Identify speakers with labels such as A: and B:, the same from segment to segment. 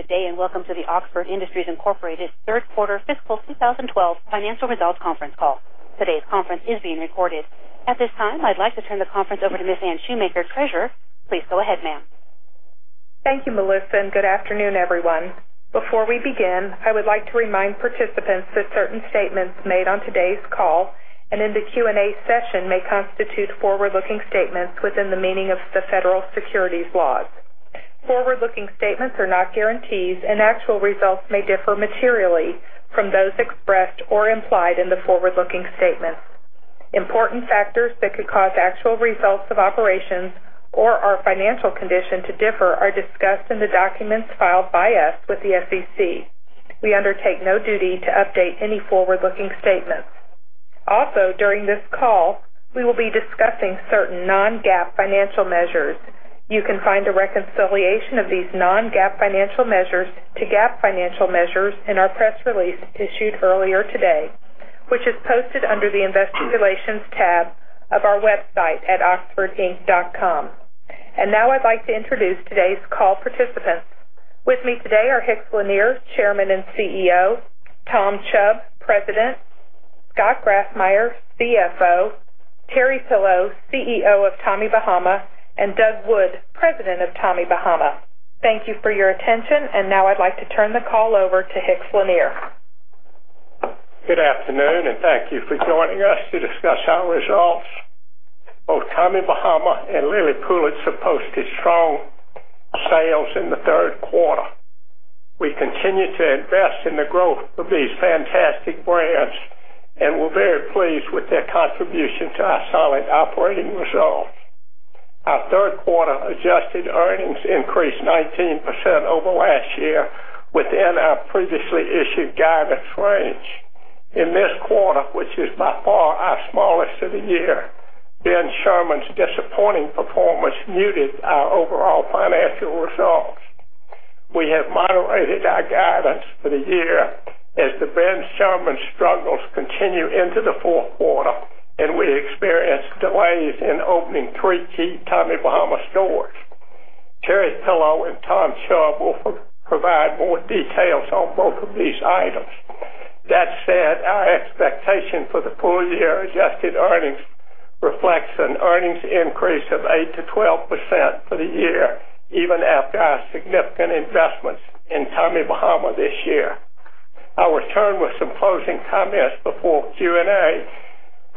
A: Good day. Welcome to the Oxford Industries, Inc. third quarter fiscal 2012 financial results conference call. Today's conference is being recorded. At this time, I'd like to turn the conference over to Ms. Anne Shoemaker, Treasurer. Please go ahead, ma'am.
B: Thank you, Melissa. Good afternoon, everyone. Before we begin, I would like to remind participants that certain statements made on today's call and in the Q&A session may constitute forward-looking statements within the meaning of the federal securities laws. Forward-looking statements are not guarantees, and actual results may differ materially from those expressed or implied in the forward-looking statements. Important factors that could cause actual results of operations or our financial condition to differ are discussed in the documents filed by us with the SEC. We undertake no duty to update any forward-looking statements. Also, during this call, we will be discussing certain non-GAAP financial measures. You can find a reconciliation of these non-GAAP financial measures to GAAP financial measures in our press release issued earlier today, which is posted under the Investor Relations tab of our website at oxfordinc.com. Now I'd like to introduce today's call participants. With me today are Hicks Lanier, Chairman and CEO; Tom Chubb, President; Scott Grassmyer, CFO; Terry Pillow, CEO of Tommy Bahama; and Doug Wood, President of Tommy Bahama. Thank you for your attention. Now I'd like to turn the call over to Hicks Lanier.
C: Good afternoon. Thank you for joining us to discuss our results. Both Tommy Bahama and Lilly Pulitzer posted strong sales in the third quarter. We continue to invest in the growth of these fantastic brands, and we're very pleased with their contribution to our solid operating results. Our third quarter adjusted earnings increased 19% over last year within our previously issued guidance range. In this quarter, which is by far our smallest of the year, Ben Sherman's disappointing performance muted our overall financial results. We have moderated our guidance for the year as the Ben Sherman struggles continue into the fourth quarter, and we experienced delays in opening three key Tommy Bahama stores. Terry Pillow and Tom Chubb will provide more details on both of these items. That said, our expectation for the full year adjusted earnings reflects an earnings increase of 8% to 12% for the year, even after our significant investments in Tommy Bahama this year. I'll return with some closing comments before Q&A,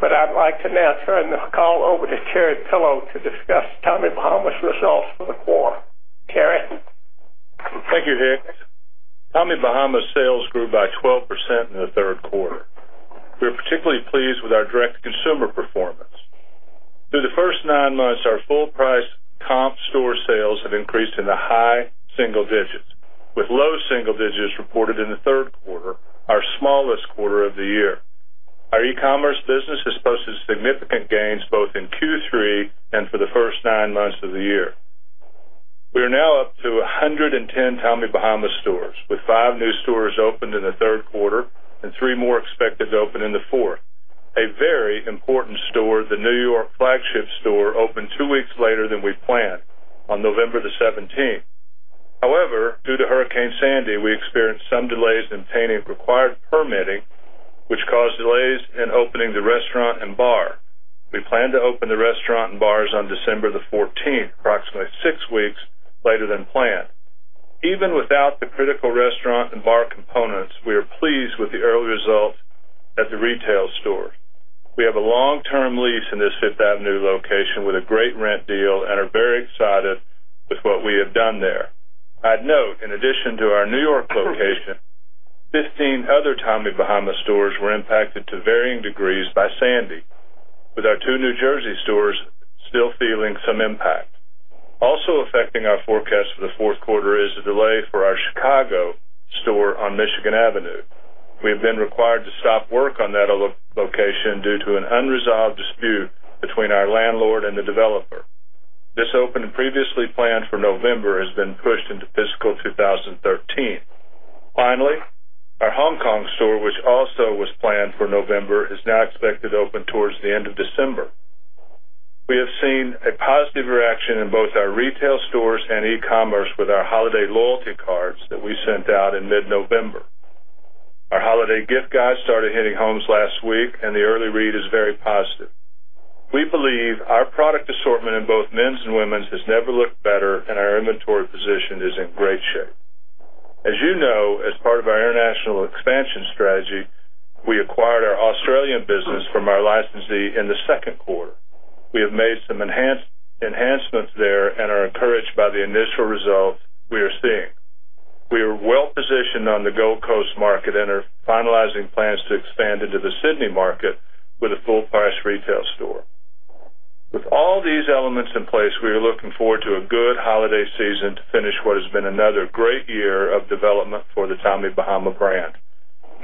C: but I'd like to now turn the call over to Terry Pillow to discuss Tommy Bahama's results for the quarter. Terry?
D: Thank you, Hicks. Tommy Bahama sales grew by 12% in the third quarter. We are particularly pleased with our direct-to-consumer performance. Through the first nine months, our full-price comp store sales have increased in the high single digits, with low single digits reported in the third quarter, our smallest quarter of the year. Our e-commerce business has posted significant gains both in Q3 and for the first nine months of the year. We are now up to 110 Tommy Bahama stores, with five new stores opened in the third quarter and three more expected to open in the fourth. A very important store, the N.Y. flagship store, opened two weeks later than we planned, on November the 17th. Due to Hurricane Sandy, we experienced some delays obtaining required permitting, which caused delays in opening the restaurant and bar. We plan to open the restaurant and bars on December the 14th, approximately six weeks later than planned. Even without the critical restaurant and bar components, we are pleased with the early results at the retail store. We have a long-term lease in this Fifth Avenue location with a great rent deal and are very excited with what we have done there. I'd note, in addition to our N.Y. location, 15 other Tommy Bahama stores were impacted to varying degrees by Sandy, with our two New Jersey stores still feeling some impact. Affecting our forecast for the fourth quarter is the delay for our Chicago store on Michigan Avenue. We have been required to stop work on that location due to an unresolved dispute between our landlord and the developer. This opened and previously planned for November has been pushed into fiscal 2013. Our Hong Kong store, which also was planned for November, is now expected to open towards the end of December. We have seen a positive reaction in both our retail stores and e-commerce with our holiday loyalty cards that we sent out in mid-November. Our holiday gift guide started hitting homes last week, and the early read is very positive. We believe our product assortment in both men's and women's has never looked better, and our inventory position is in great shape. As you know, as part of our international expansion strategy, we acquired our Australian business from our licensee in the second quarter. We have made some enhancements there and are encouraged by the initial results we are seeing. We are well positioned on the Gold Coast market and are finalizing plans to expand into the Sydney market with a full-price retail store. With all these elements in place, we are looking forward to a good holiday season to finish what has been another great year of development for the Tommy Bahama brand.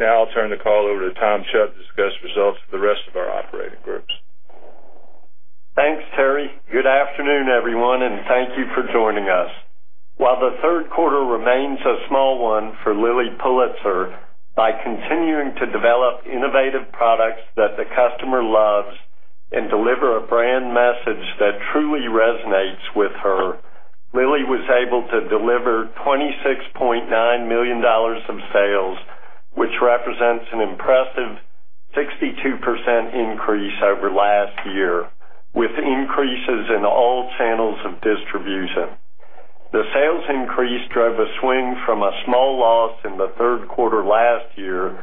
D: I'll turn the call over to Tom Chubb to discuss results for the rest of our operating groups.
E: Thanks, Terry. Good afternoon, everyone, thank you for joining us. While the third quarter remains a small one for Lilly Pulitzer, by continuing to develop innovative products that the customer loves and deliver a brand message that truly resonates with her. Lilly was able to deliver $26.9 million of sales, which represents an impressive 62% increase over last year, with increases in all channels of distribution. The sales increase drove a swing from a small loss in the third quarter last year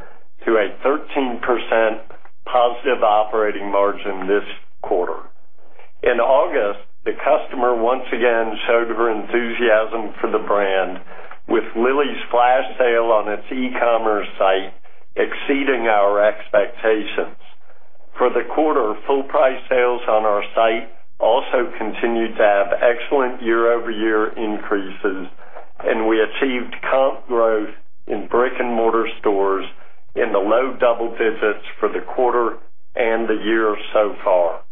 E: to a 13% positive operating margin this quarter. In August, the customer once again showed her enthusiasm for the brand with Lilly's flash sale on its e-commerce site exceeding our expectations. For the quarter, full price sales on our site also continued to have excellent year-over-year increases, and we achieved comp growth in brick-and-mortar stores in the low double digits for the quarter and the year so far.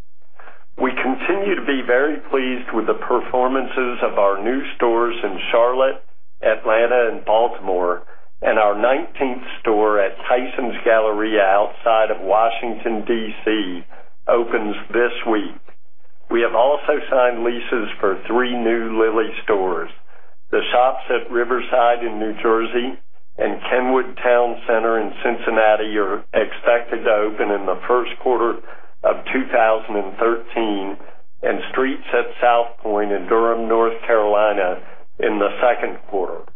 E: We continue to be very pleased with the performances of our new stores in Charlotte, Atlanta, and Baltimore, and our 19th store at Tysons Galleria outside of Washington, D.C., opens this week. We have also signed leases for three new Lilly stores. The Shops at Riverside in New Jersey and Kenwood Towne Center in Cincinnati are expected to open in the first quarter of 2013, and Streets at Southpoint in Durham, North Carolina, in the second quarter.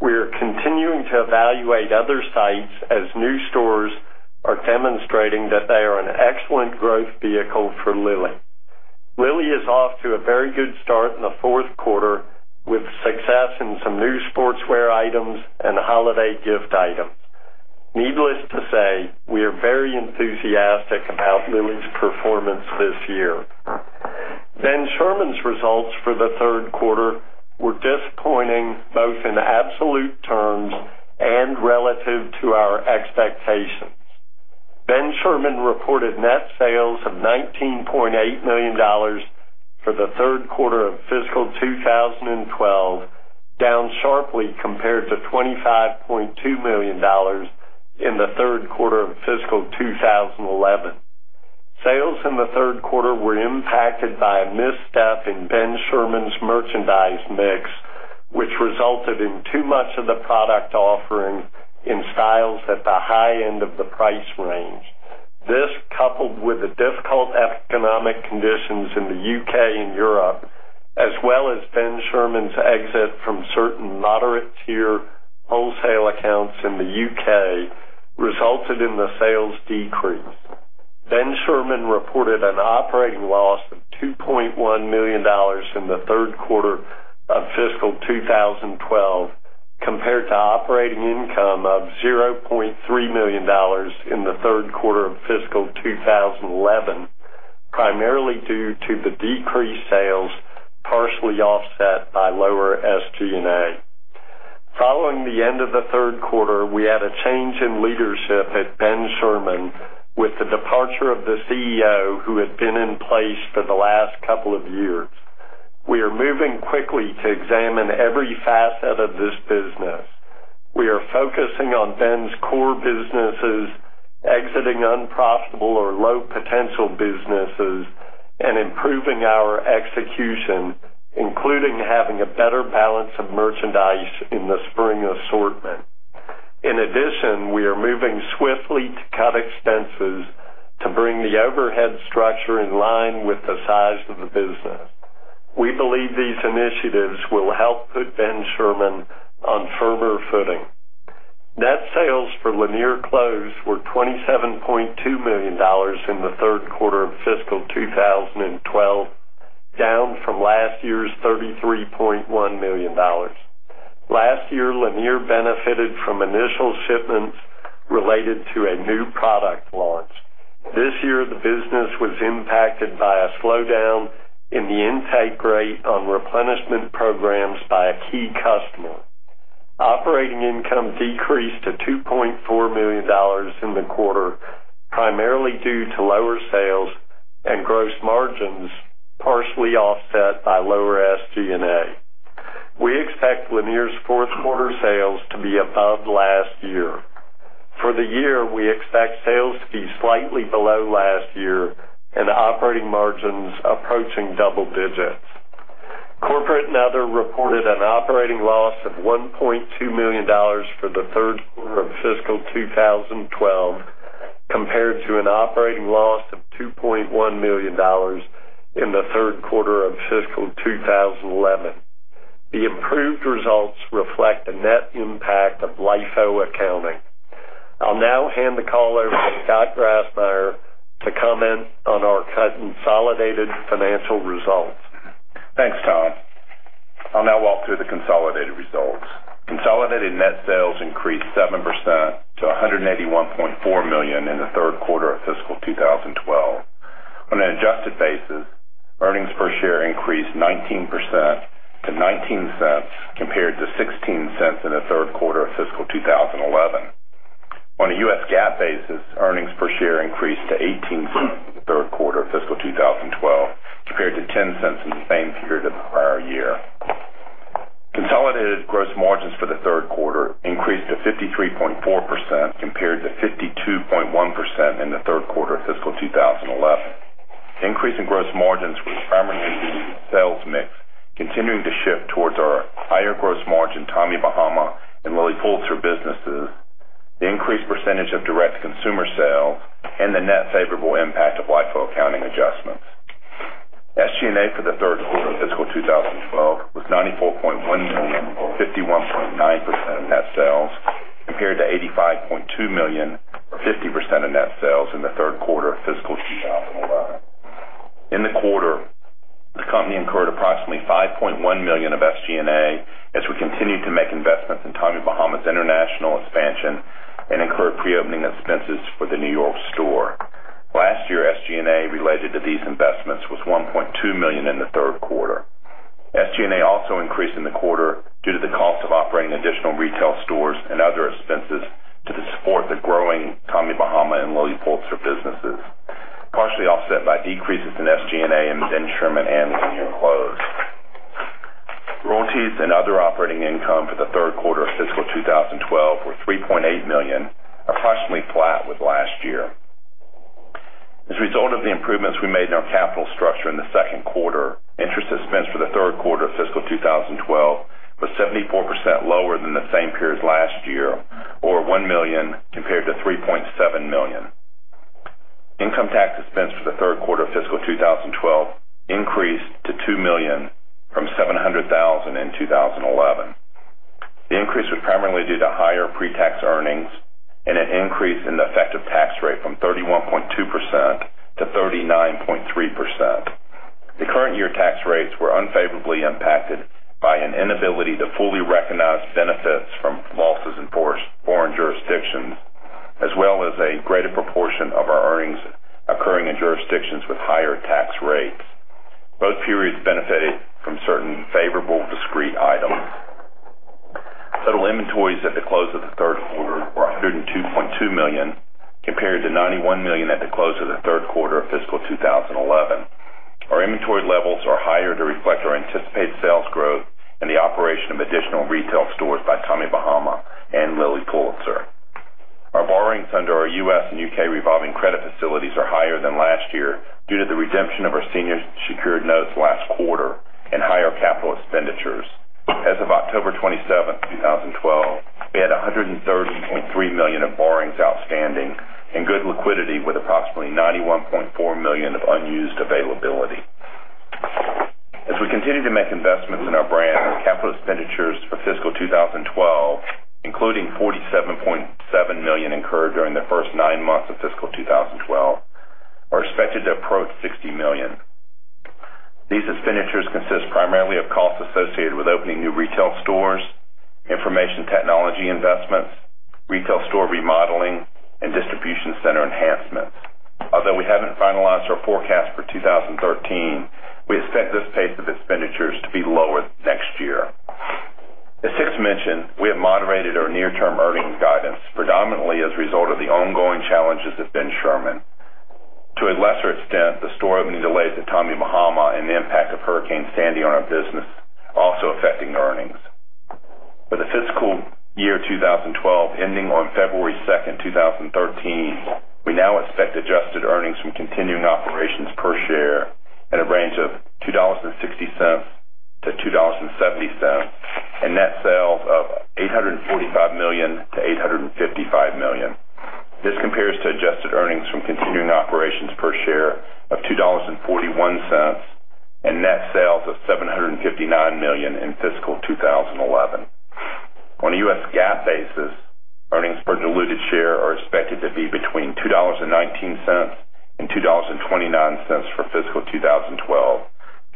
E: We are continuing to evaluate other sites as new stores are demonstrating that they are an excellent growth vehicle for Lilly. Lilly is off to a very good start in the fourth quarter with success in some new sportswear items and holiday gift items. Needless to say, we are very enthusiastic about Lilly's performance this year. Ben Sherman's results for the third quarter were disappointing, both in absolute terms and relative to our expectations. Ben Sherman reported net sales of $19.8 million for the third quarter of fiscal 2012, down sharply compared to $25.2 million in the third quarter of fiscal 2011. Sales in the third quarter were impacted by a misstep in Ben Sherman's merchandise mix, which resulted in too much of the product offering in styles at the high end of the price range. This, coupled with the difficult economic conditions in the U.K. and Europe, as well as Ben Sherman's exit from certain moderate-tier wholesale accounts in the U.K., resulted in the sales decrease. Ben Sherman reported an operating loss of $2.1 million in the third quarter of fiscal 2012 compared to operating income of $0.3 million in the third quarter of fiscal 2011, primarily due to the decreased sales, partially offset by lower SG&A. Following the end of the third quarter, we had a change in leadership at Ben Sherman with the departure of the CEO who had been in place for the last couple of years. We are moving quickly to examine every facet of this business. We are focusing on Ben's core businesses, exiting unprofitable or low potential businesses, and improving our execution, including having a better balance of merchandise in the spring assortment. We are moving swiftly to cut expenses to bring the overhead structure in line with the size of the business. We believe these initiatives will help put Ben Sherman on firmer footing. Net sales for Lanier Clothes were $27.2 million in the third quarter of fiscal 2012, down from last year's $33.1 million. Last year, Lanier benefited from initial shipments related to a new product launch. This year, the business was impacted by a slowdown in the intake rate on replenishment programs by a key customer. Operating income decreased to $2.4 million in the quarter, primarily due to lower sales and gross margins, partially offset by lower SG&A. We expect Lanier's fourth quarter sales to be above last year. For the year, we expect sales to be slightly below last year and operating margins approaching double digits. Corporate and Other reported an operating loss of $1.2 million for the third quarter of fiscal 2012 compared to an operating loss of $2.1 million in the third quarter of fiscal 2011. The improved results reflect the net impact of LIFO accounting. I'll now hand the call over to Scott Grassmyer to comment on our consolidated financial results.
F: Thanks, Tom. I'll now walk through the consolidated results. Consolidated net sales increased 7% to $181.4 million in the third quarter of fiscal 2012. On an adjusted basis, earnings per share increased 19% to $0.19 compared to $0.16 in the third quarter of fiscal 2011. On a U.S. GAAP basis, earnings per share increased to $0.18 in the third quarter of fiscal 2012 compared to $0.10 in the same period of the prior year. Consolidated gross margins for the third quarter increased to 53.4%, compared to 52.1% in the third quarter of fiscal 2011. The increase in gross margins was primarily due to sales mix continuing to shift towards our higher gross margin Tommy Bahama and Lilly Pulitzer businesses, the increased percentage of direct-to-consumer sales, and the net favorable impact of LIFO accounting adjustments. SG&A for the third quarter of fiscal 2012 was $94.1 million, or 51.9% of net sales, compared to $85.2 million or 50% of net sales in the third quarter of fiscal 2011. In the quarter, the company incurred approximately $5.1 million of SG&A as we continued to make investments in Tommy Bahama's international expansion and incurred pre-opening expenses for the New York store. Last year, SG&A related to these investments was $1.2 million in the third quarter. SG&A also increased in the quarter due to the cost of operating additional retail stores and other expenses to support the growing Tommy Bahama and Lilly Pulitzer businesses, partially offset by decreases in SG&A in Ben Sherman and Lanier Clothes. Royalties and other operating income for the third quarter of fiscal 2012 were $3.8 million, approximately flat with last year. As a result of the improvements we made in our capital structure in the second quarter, interest expense for the third quarter of fiscal 2012 was 74% lower than the same period last year, or $1 million compared to $3.7 million. Income tax expense for the third quarter of fiscal 2012 increased to $2 million from $700,000 in 2011. The increase was primarily due to higher pre-tax earnings and an increase in the effective tax rate from 31.2% to 39.3%. The current year tax rates were unfavorably impacted by an inability to fully recognize benefits from losses in foreign jurisdictions, as well as a greater proportion of our earnings occurring in jurisdictions with higher tax rates. Both periods benefited from certain favorable discrete items. Total inventories at the close of the third quarter were $102.2 million, compared to $91 million at the close of the third quarter of fiscal 2011. Our inventory levels are higher to reflect our anticipated sales growth and the operation of additional retail stores by Tommy Bahama and Lilly Pulitzer. Our borrowings under our U.S. and U.K. revolving credit facilities are higher than last year due to the redemption of our senior secured notes last quarter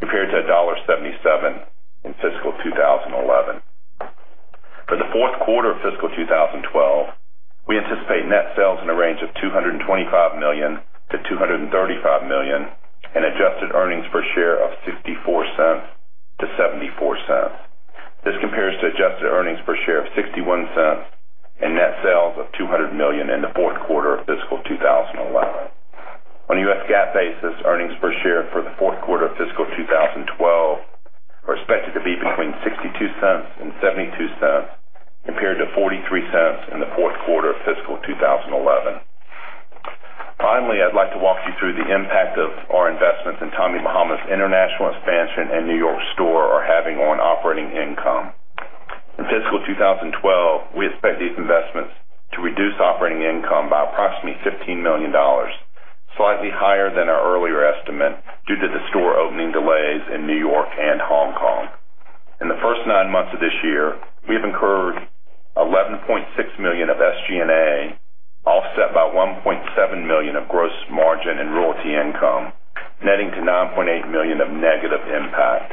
F: compared to $1.77 in fiscal 2011. For the fourth quarter of fiscal 2012, we anticipate net sales in a range of $225 million-$235 million and adjusted earnings per share of $0.64-$0.74. This compares to adjusted earnings per share of $0.61 and net sales of $200 million in the fourth quarter of fiscal 2011. On a U.S. GAAP basis, earnings per share for the fourth quarter of fiscal 2012 are expected to be between $0.62 and $0.72, compared to $0.43 in the fourth quarter of fiscal 2011. I'd like to walk you through the impact of our investments in Tommy Bahama's international expansion and New York store are having on operating income. In fiscal 2012, we expect these investments to reduce operating income by approximately $15 million, slightly higher than our earlier estimate due to the store opening delays in New York and Hong Kong. In the first nine months of this year, we have incurred $11.6 million of SG&A, offset by $1.7 million of gross margin and royalty income, netting to $9.8 million of negative impact.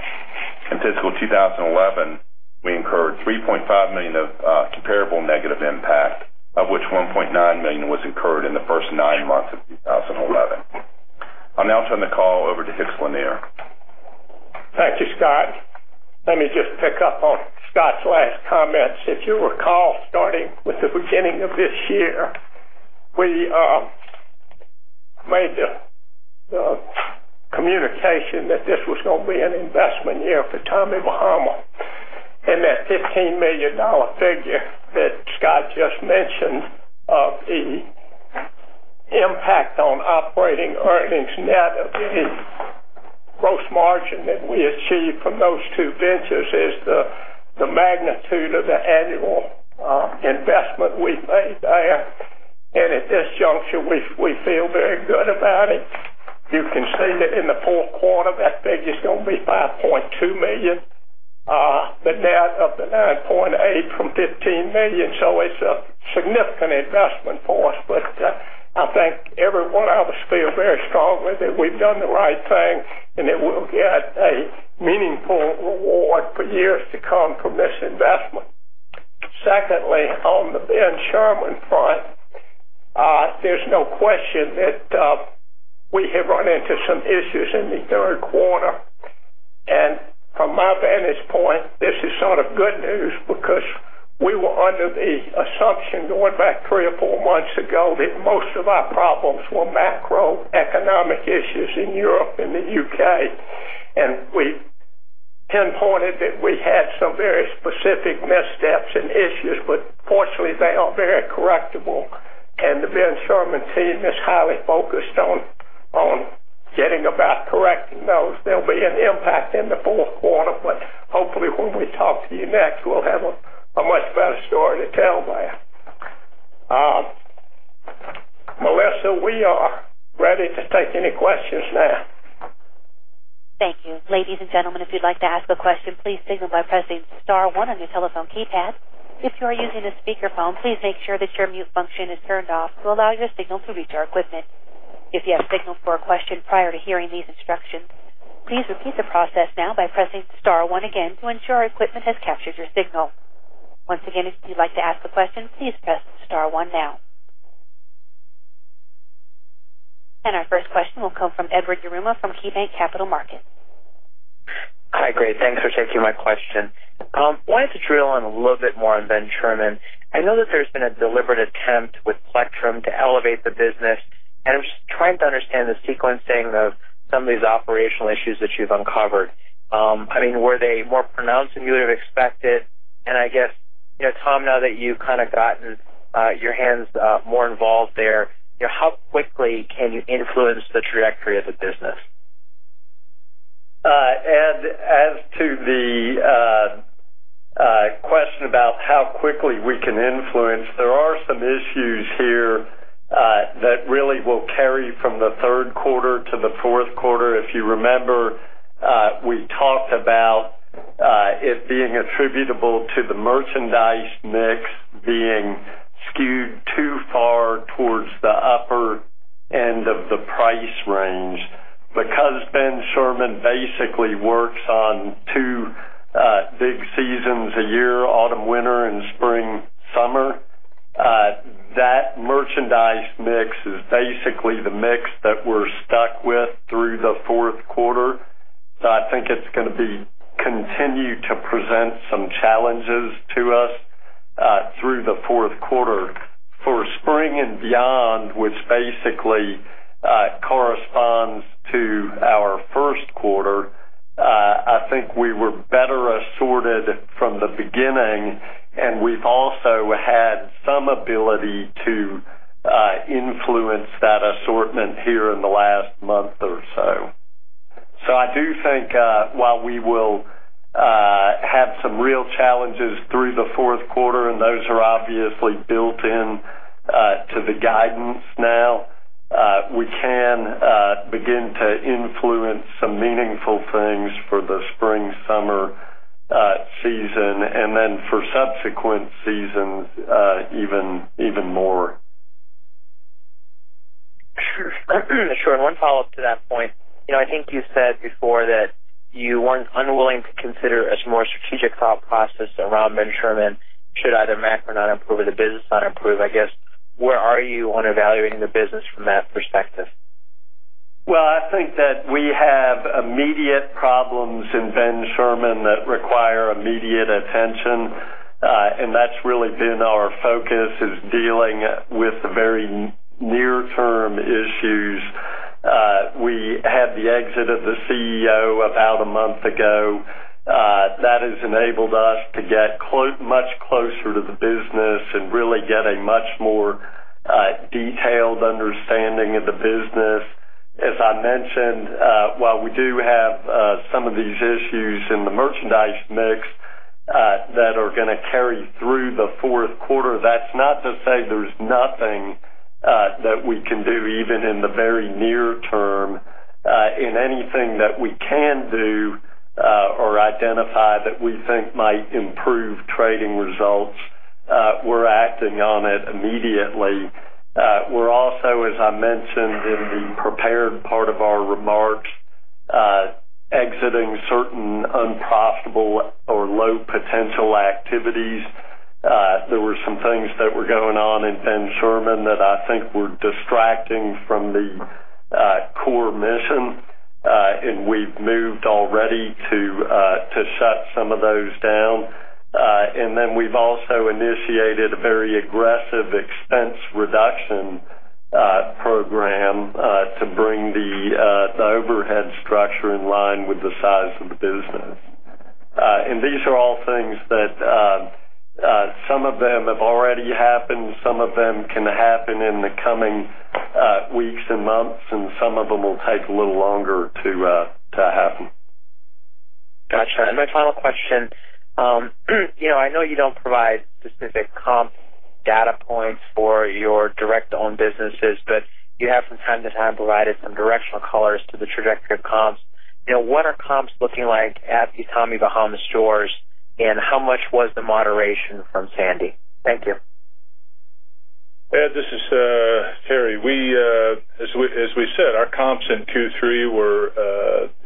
F: In fiscal 2011, we incurred $3.5 million of comparable negative impact, of which $1.9 million was incurred in the first nine months of 2011. I'll now turn the call over to Hicks Lanier.
C: Thank you, Scott. Let me just pick up on Scott's last comments. If you recall, starting with the beginning of this year, we made the communication that this was going to be an investment year for Tommy Bahama. That $15 million figure that Scott just mentioned of the impact on operating earnings net of the gross margin that we achieved from those two ventures is the magnitude of the annual investment we made there. At this juncture, we feel very good about it. You can see that in the fourth quarter, that figure's going to be $5.2 million, the net of the $9.8 from $15 million. It's a significant investment for us. I think every one of us feels very strongly that we've done the right thing and that we'll get a meaningful reward for years to come from this investment. Secondly, on the Ben Sherman front, there's no question that we have run into some issues in the third quarter. From my vantage point, this is sort of good news because we were under the assumption going back three or four months ago that most of our problems were macroeconomic issues in Europe and the U.K. We pinpointed that we had some very specific missteps and issues, fortunately, they are very correctable. The Ben Sherman team is highly focused on getting about correcting those. There'll be an impact in the fourth quarter, hopefully when we talk to you next, we'll have a much better story to tell there. Melissa, we are ready to take any questions now.
A: Thank you. Ladies and gentlemen, if you'd like to ask a question, please signal by pressing star one on your telephone keypad. If you are using a speakerphone, please make sure that your mute function is turned off to allow your signal to reach our equipment. If you have signaled for a question prior to hearing these instructions, please repeat the process now by pressing star one again to ensure our equipment has captured your signal. Once again, if you'd like to ask a question, please press star one now. Our first question will come from Edward Yruma from KeyBanc Capital Markets.
G: Hi, great. Thanks for taking my question. Wanted to drill in a little bit more on Ben Sherman. I know that there's been a deliberate attempt with Plectrum to elevate the business. I'm just trying to understand the sequencing of some of these operational issues that you've uncovered. Were they more pronounced than you would've expected? I guess, Tom, now that you've kind of gotten your hands more involved there, how quickly can you influence the trajectory of the business?
C: Ed, as to the question about how quickly we can influence, there are some issues here that really will carry from the third quarter to the fourth quarter. If you remember, we talked about it being attributable to the merchandise mix being skewed too far towards the upper end of the price range. Because Ben Sherman basically works on two big seasons a year, autumn-winter and spring-summer, that merchandise mix is basically the mix that we're stuck with through the fourth quarter. I think it's going to continue to present some challenges to us through the fourth quarter. For spring and beyond, which basically corresponds to our first quarter, I think we were better assorted from the beginning. We've also had some ability to influence that assortment here in the last month or so. I do think while we will have some real challenges through the fourth quarter, and those are obviously built into the guidance now, we can begin to influence some meaningful things for the spring-summer season and then for subsequent seasons even more.
G: Sure. One follow-up to that point. I think you said before that you weren't unwilling to consider a more strategic thought process around Ben Sherman should either macro not improve or the business not improve. I guess where are you on evaluating the business from that perspective?
C: Well, I think that we have immediate problems in Ben Sherman that require immediate attention, and that's really been our focus is dealing with the very near-term issues. We had the exit of the CEO about a month ago. That has enabled us to get much closer to the business and really get a much more detailed understanding of the business. As I mentioned, while we do have some of these issues in the merchandise mix that are going to carry through the fourth quarter, that's not to say there's nothing that we can do even in the very near term. Anything that we can do or identify that we think might improve trading results, we're acting on it immediately. We're also, as I mentioned in the prepared part of our remarks, exiting certain unprofitable or low potential activities. There were some things that were going on in Ben Sherman that I think were distracting from the core mission
E: We've moved already to shut some of those down. We've also initiated a very aggressive expense reduction program to bring the overhead structure in line with the size of the business. These are all things that some of them have already happened, some of them can happen in the coming weeks and months, and some of them will take a little longer to happen.
G: Got you. My final question. I know you don't provide specific comp data points for your direct-owned businesses, but you have from time to time provided some directional colors to the trajectory of comps. What are comps looking like at the Tommy Bahama stores, and how much was the moderation from Sandy? Thank you.
D: Ed, this is Terry. As we said, our comps in Q3 were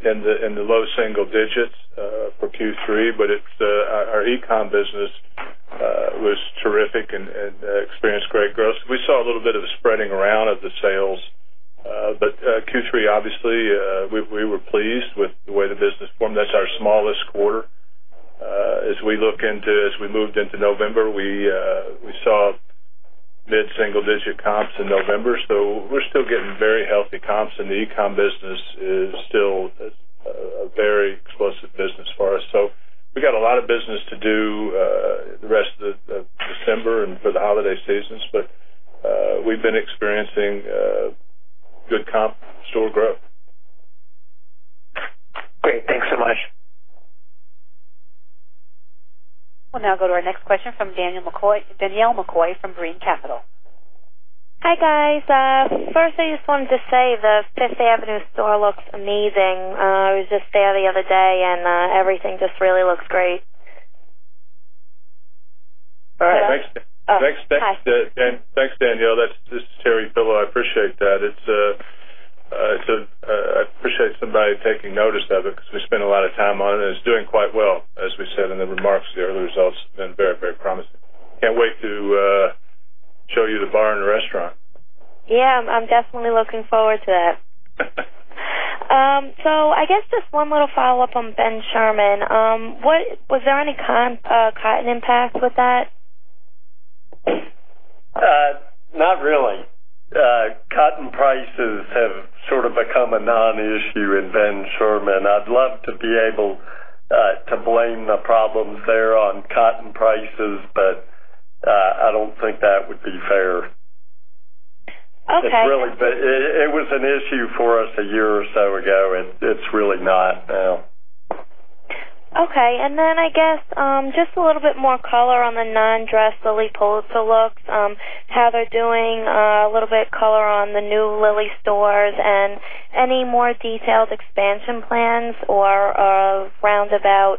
D: in the low single digits for Q3. Our e-com business was terrific and experienced great growth. We saw a little bit of a spreading around of the sales. Q3, obviously, we were pleased with the way the business formed. That's our smallest quarter. As we moved into November, we saw mid-single-digit comps in November. We're still getting very healthy comps, and the e-com business is still a very explosive business for us. We got a lot of business to do the rest of December and for the holiday seasons. We've been experiencing good comp store growth.
G: Great. Thanks so much.
A: We'll now go to our next question from Danielle McCoy from Brean Capital.
H: Hi, guys. First, I just wanted to say the Fifth Avenue store looks amazing. I was just there the other day, everything just really looks great.
D: All right. Thanks, Danielle.
H: Oh, hi.
D: This is Terry Pillow. I appreciate that. I appreciate somebody taking notice of it because we spent a lot of time on it's doing quite well. As we said in the remarks there, the results have been very promising. Can't wait to show you the bar and the restaurant.
H: Yeah, I'm definitely looking forward to that. I guess just one little follow-up on Ben Sherman. Was there any cotton impact with that?
E: Not really. Cotton prices have sort of become a non-issue in Ben Sherman. I'd love to be able to blame the problems there on cotton prices, I don't think that would be fair.
H: Okay.
E: It was an issue for us a year or so ago, it's really not now.
H: Okay. Then I guess, just a little bit more color on the non-dress Lilly Pulitzer looks, how they're doing, a little bit color on the new Lilly stores, and any more detailed expansion plans or a roundabout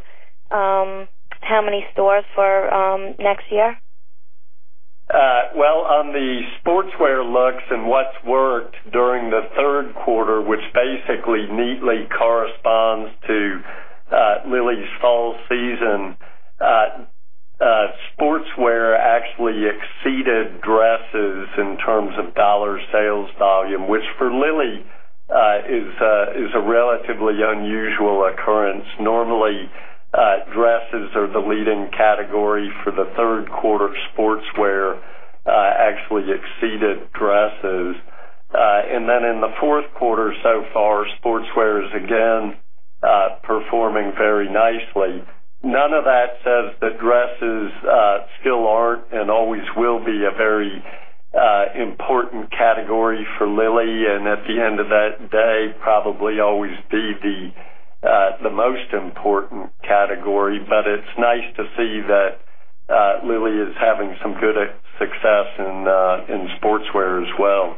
H: how many stores for next year?
E: Well, on the sportswear looks and what's worked during the third quarter, which basically neatly corresponds to Lilly's fall season. Sportswear actually exceeded dresses in terms of dollar sales volume, which for Lilly is a relatively unusual occurrence. Normally, dresses are the leading category for the third quarter. Sportswear actually exceeded dresses. Then in the fourth quarter so far, sportswear is again performing very nicely. None of that says that dresses still aren't and always will be a very important category for Lilly, and at the end of that day, probably always be the most important category. It's nice to see that Lilly is having some good success in sportswear as well.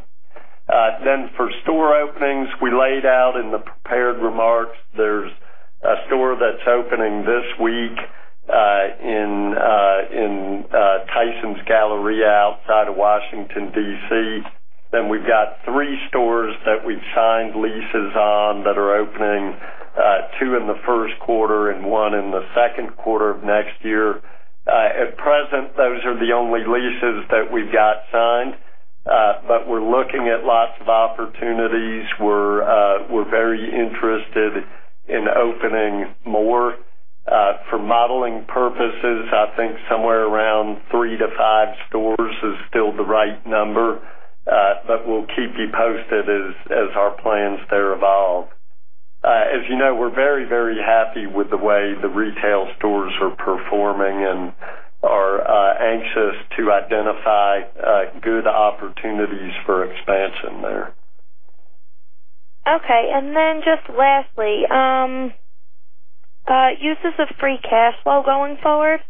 E: For store openings, we laid out in the prepared remarks, there's a store that's opening this week in Tysons Galleria outside of Washington, D.C. We've got three stores that we've signed leases on that are opening two in the first quarter and one in the second quarter of next year. At present, those are the only leases that we've got signed. We're looking at lots of opportunities. We're very interested in opening more. For modeling purposes, I think somewhere around three to five stores is still the right number. We'll keep you posted as our plans there evolve. As you know, we're very happy with the way the retail stores are performing and are anxious to identify good opportunities for expansion there.
H: Okay, then just lastly, uses of free cash flow going forward?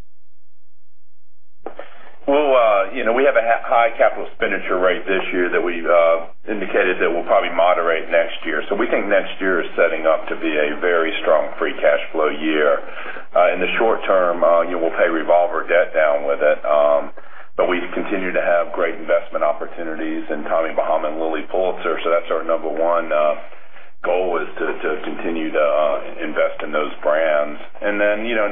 F: We have a high capital expenditure rate this year that we've indicated that we'll probably moderate next year. We think next year is setting up to be a very strong free cash flow year. In the short term, we'll pay revolver debt down with it. We continue to have great investment opportunities in Tommy Bahama and Lilly Pulitzer. That's our number one goal is to continue to invest in those brands.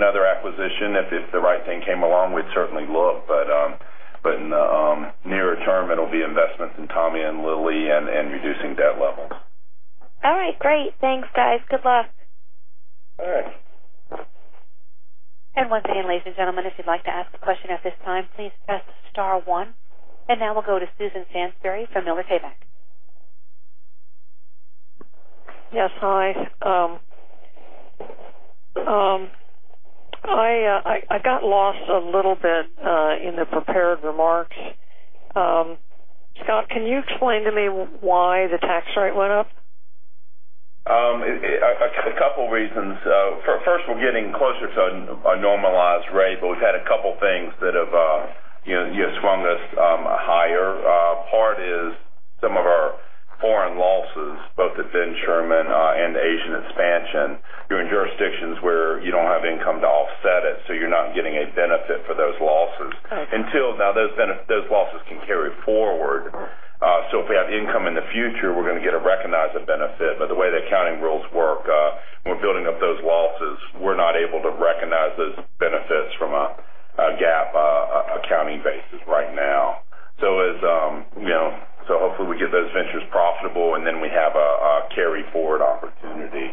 F: Another acquisition, if the right thing came along, we'd certainly look. In the nearer term, it'll be investments in Tommy and Lilly and reducing debt levels.
H: All right. Great. Thanks, guys. Good luck.
D: All right.
A: Once again, ladies and gentlemen, if you'd like to ask a question at this time, please press star one. Now we'll go to Susan Sansbury from Miller Tabak.
I: Yes. Hi. I got lost a little bit in the prepared remarks. Scott, can you explain to me why the tax rate went up?
F: A couple reasons. First of all, getting closer to a normalized rate, we've had a couple things that have swung this higher. Part is some of our foreign losses, both at Ben Sherman and Asian expansion. You're in jurisdictions where you don't have income to offset it, so you're not getting a benefit for those losses.
I: Okay.
F: Those losses can carry forward. If we have income in the future, we're going to get a recognized benefit. The way the accounting rules work, when we're building up those losses, we're not able to recognize those benefits from a GAAP accounting basis right now. Hopefully, we get those ventures profitable, and then we have a carry forward opportunity.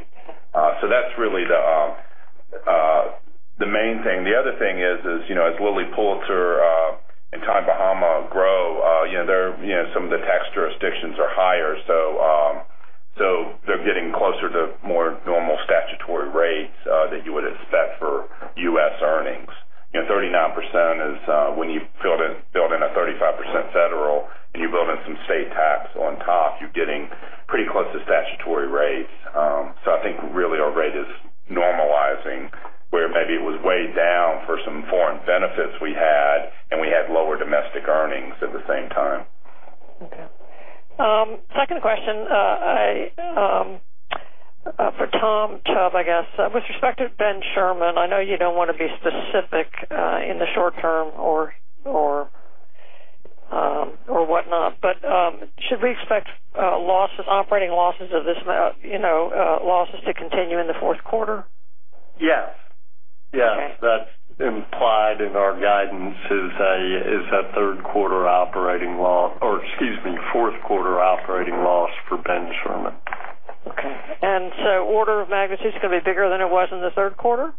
F: That's really the main thing. The other thing is, as Lilly Pulitzer and Tommy Bahama grow, some of the tax jurisdictions are higher, so they're getting closer to more normal statutory rates that you would expect for U.S. earnings. 39% is when you build in a 35% federal, and you build in some state tax on top, you're getting pretty close to statutory rates. I think really our rate is normalizing where maybe it was way down for some foreign benefits we had, and we had lower domestic earnings at the same time.
I: Okay. Second question. For Tom Chubb, I guess. With respect to Ben Sherman, I know you don't want to be specific in the short term or whatnot, but should we expect operating losses to continue in the fourth quarter?
E: Yes.
I: Okay.
E: Yes. That's implied in our guidance is a fourth quarter operating loss for Ben Sherman.
I: Okay. Order of magnitude is going to be bigger than it was in the third quarter?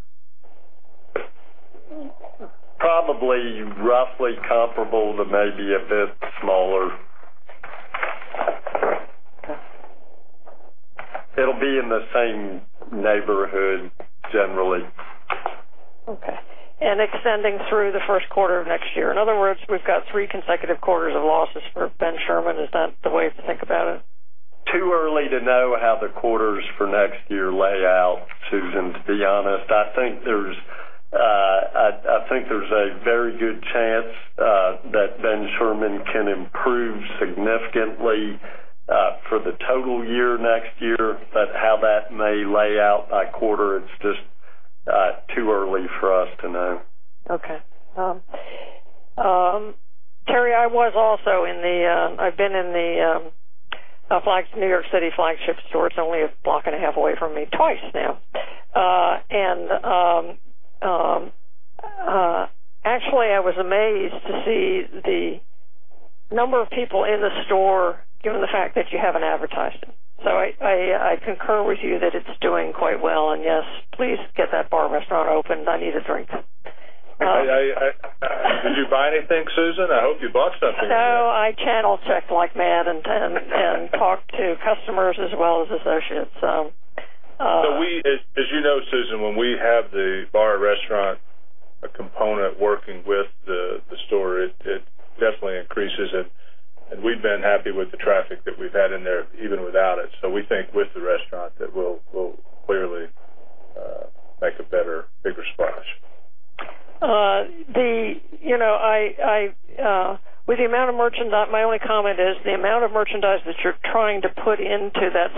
E: Probably roughly comparable to maybe a bit smaller.
I: Okay.
E: It'll be in the same neighborhood generally.
I: Okay. Extending through the first quarter of next year. In other words, we've got three consecutive quarters of losses for Ben Sherman. Is that the way to think about it?
E: Too early to know how the quarters for next year lay out, Susan, to be honest. I think there's a very good chance that Ben Sherman can improve significantly for the total year next year. How that may lay out by quarter, it's just too early for us to know.
I: Okay. Terry, I've been in the New York City flagship store. It's only a block and a half away from me twice now. Actually, I was amazed to see the number of people in the store, given the fact that you haven't advertised it. I concur with you that it's doing quite well. Yes, please get that bar restaurant opened. I need a drink.
D: Did you buy anything, Susan? I hope you bought something in there.
I: No, I channel checked like mad and talked to customers as well as associates.
D: As you know, Susan, when we have the bar restaurant component working with the store, it definitely increases it. We've been happy with the traffic that we've had in there even without it. We think with the restaurant that we'll clearly make a better, bigger splash.
I: With the amount of merchandise, my only comment is the amount of merchandise that you're trying to put into that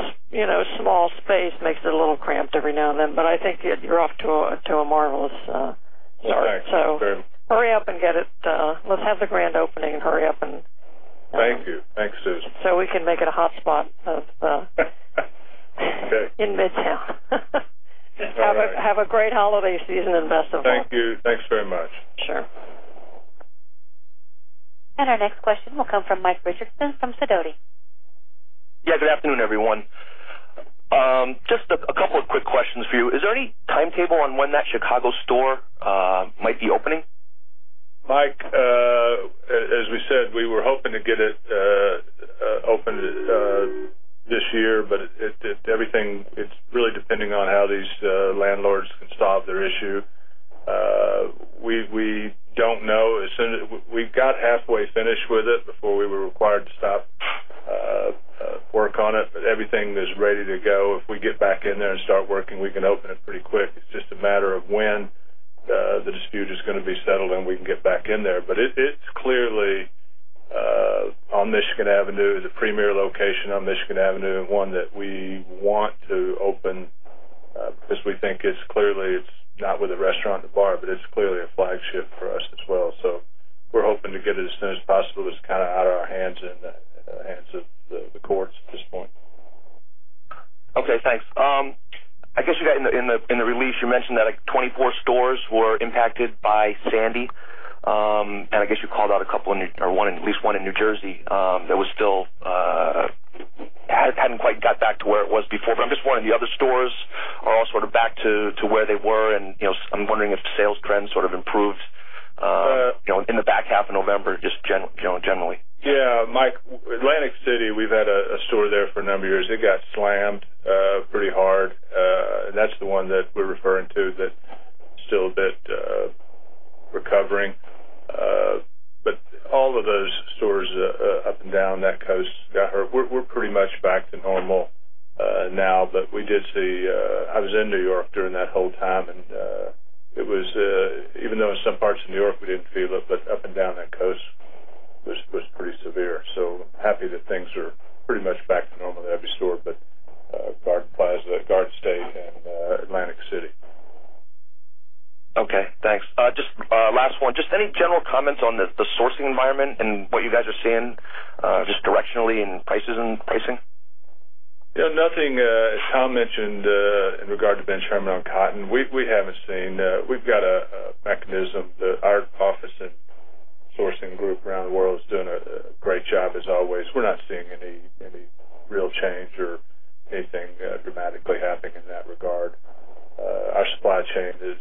I: small space makes it a little cramped every now and then. I think you're off to a marvelous start.
D: Okay, great.
I: Hurry up and get it. Let's have the grand opening and hurry up.
D: Thank you. Thanks, Susan.
I: We can make it a hotspot.
D: Okay
I: in Midtown.
D: All right.
I: Have a great holiday season and best of luck.
D: Thank you. Thanks very much.
I: Sure.
A: Our next question will come from Mike Richardson from Sidoti.
J: Yeah. Good afternoon, everyone. Just a couple of quick questions for you. Is there any timetable on when that Chicago store might be opening?
D: Mike, as we said, we were hoping to get it opened this year, it's really depending on how these landlords can solve their issue. We don't know. We got halfway finished with it before we were required to stop work on it, everything is ready to go. If we get back in there and start working, we can open it pretty quick. It's just a matter of when the dispute is going to be settled and we can get back in there. It's clearly on Michigan Avenue. It's a premier location on Michigan Avenue, and one that we want to open because we think it's clearly, it's not with a restaurant and a bar, but it's clearly a flagship for us as well. We're hoping to get it as soon as possible. It's out of our hands and in the hands of the courts at this point.
J: Okay, thanks. I guess in the release, you mentioned that 24 stores were impacted by Sandy. You called out at least one in New Jersey that hadn't quite got back to where it was before. I'm just wondering, the other stores are all sort of back to where they were, and I'm wondering if the sales trends improved in the back half of November, just generally.
D: Yeah. Mike, Atlantic City, we've had a store there for a number of years. It got slammed pretty hard. That's the one that we're referring to that's still a bit recovering. All of those stores up and down that coast got hurt. We're pretty much back to normal now. I was in New York during that whole time, and even though in some parts of New York, we didn't feel it, but up and down that coast, it was pretty severe. Happy that things are pretty much back to normal at every store but Garden State, and Atlantic City.
J: Okay, thanks. Just last one. Just any general comments on the sourcing environment and what you guys are seeing just directionally in prices and pricing?
D: Yeah, nothing, as Tom mentioned, in regard to Ben Sherman on cotton. We've got a mechanism that our office and sourcing group around the world is doing a great job, as always. We're not seeing any real change or anything dramatically happening in that regard. Our supply chain is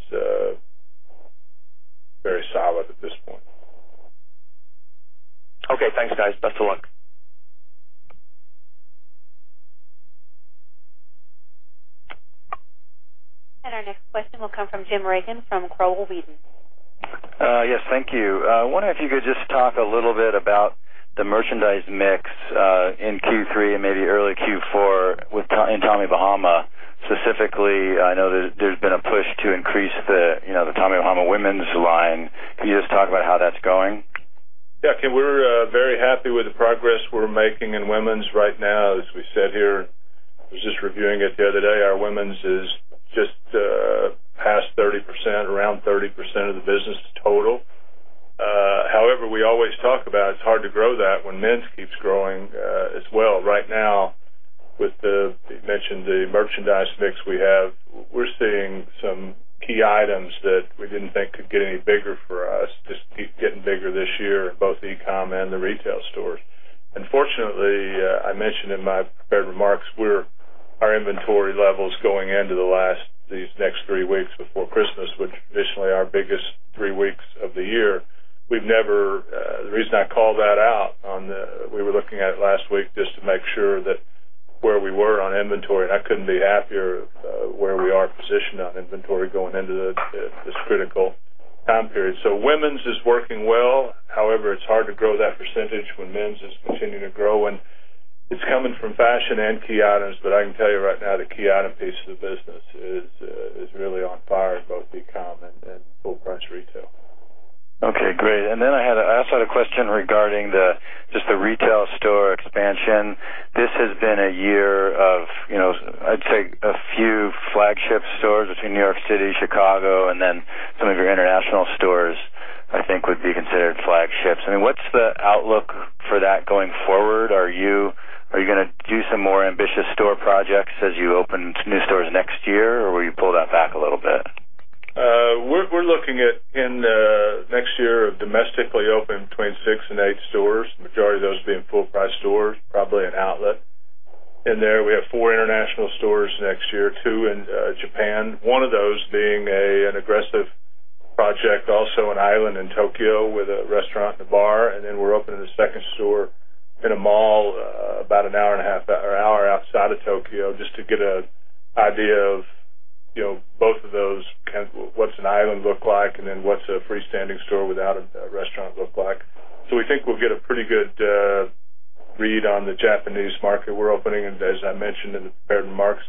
D: very solid at this point.
J: Okay, thanks, guys. Best of luck.
A: Our next question will come from Jim Regan from Crowell Weedon.
K: Yes, thank you. I wonder if you could just talk a little bit about the merchandise mix in Q3 and maybe early Q4 in Tommy Bahama. Specifically, I know there's been a push to increase the Tommy Bahama women's line. Can you just talk about how that's going?
D: Yeah. Okay. We're very happy with the progress we're making in women's right now. As we said here, I was just reviewing it the other day. Our women's is just past 30%, around 30% of the business total. However, we always talk about it's hard to grow that when men's keeps growing as well. Right now with the, you mentioned the merchandise mix we have, we're seeing some key items that we didn't think could get any bigger for us just keep getting bigger this year in both e-com and the retail stores. Unfortunately, I mentioned in my prepared remarks, our inventory levels going into these next three weeks before Christmas, which traditionally our biggest three weeks of the year. The reason I call that out, we were looking at it last week just to make sure that where we were on inventory, and I couldn't be happier where we are positioned on inventory going into this critical time period. Women's is working well. However, it's hard to grow that percentage when men's is continuing to grow and it's coming from fashion and key items. I can tell you right now, the key item piece of the business is really on fire in both e-com and full-price retail.
K: Okay, great. I also had a question regarding just the retail store expansion. This has been a year of a few flagship stores between New York City, Chicago, and then some of your international stores, I think would be considered flagships. What's the outlook for that going forward? Are you going to do some more ambitious store projects as you open new stores next year, or will you pull that back a little bit?
D: We're looking at in the next year of domestically opening between 6 and 8 stores, majority of those being full-price stores, probably an outlet in there. We have 4 international stores next year, 2 in Japan, one of those being an aggressive project, also an island in Tokyo with a restaurant and a bar. We're opening a second store in a mall about an hour outside of Tokyo just to get an idea of both of those, what's an island look like, and then what's a freestanding store without a restaurant look like. We think we'll get a pretty good read on the Japanese market we're opening. As I mentioned in the prepared remarks,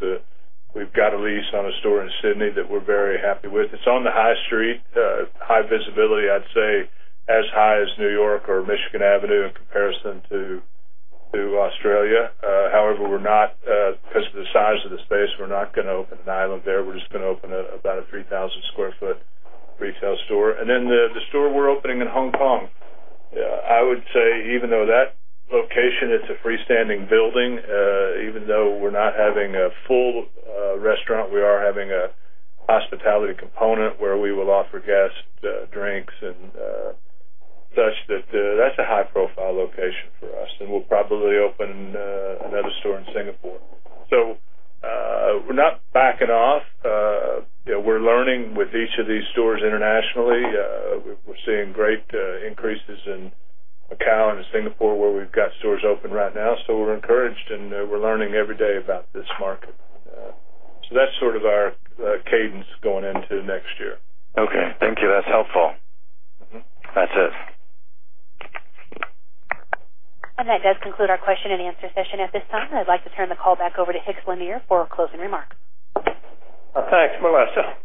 D: we've got a lease on a store in Sydney that we're very happy with. It's on the high street, high visibility, as high as New York or Michigan Avenue in comparison to Australia. However, because of the size of the space, we're not going to open an island there. We're just going to open about a 3,000 square foot retail store. The store we're opening in Hong Kong, I would say even though that location, it's a freestanding building even though we're not having a full restaurant, we are having a hospitality component where we will offer guests drinks and such that that's a high-profile location for us. We'll probably open another store in Singapore. We're not backing off. We're learning with each of these stores internationally. We're seeing great increases in Macau and Singapore where we've got stores open right now. We're encouraged and we're learning every day about this market. That's sort of our cadence going into next year.
K: Okay. Thank you. That's helpful. That's it.
A: That does conclude our question and answer session. At this time, I'd like to turn the call back over to Hicks Lanier for closing remarks.
C: Thanks, Melissa.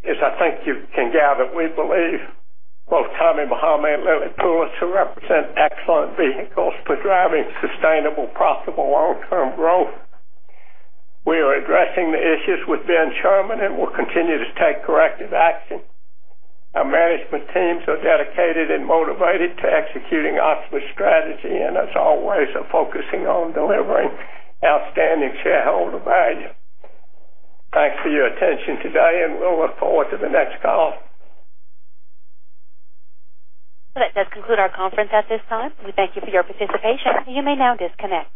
C: As I think you can gather, we believe both Tommy Bahama and Lilly Pulitzer represent excellent vehicles for driving sustainable, profitable long-term growth. We are addressing the issues with Ben Sherman, and we'll continue to take corrective action. Our management teams are dedicated and motivated to executing optimal strategy, and as always, are focusing on delivering outstanding shareholder value. Thanks for your attention today, and we'll look forward to the next call.
A: That does conclude our conference at this time. We thank you for your participation. You may now disconnect.